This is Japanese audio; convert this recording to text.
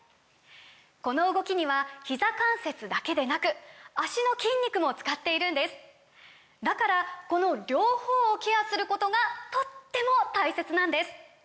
この動きにはひざ関節だけでなく脚の筋肉も使っているんですだからこの両方をケアすることがとっても大切なんです！